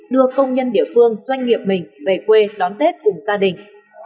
đưa công nhân địa phương doanh nghiệp mình về quê đón tết cùng gia đình